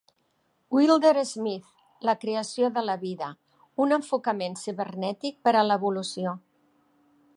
Wilder-Smith, "La creació de la vida: un enfocament cibernètic per a l'evolució".